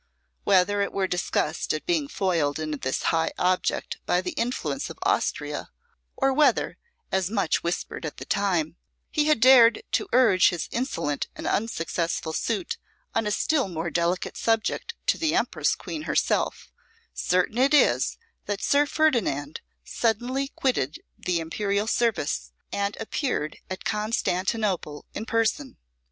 Whether it were disgust at being foiled in this high object by the influence of Austria, or whether, as was much whispered at the time, he had dared to urge his insolent and unsuccessful suit on a still more delicate subject to the Empress Queen herself, certain it is that Sir Ferdinand suddenly quitted the Imperial service, and appeared at Constantinople in person.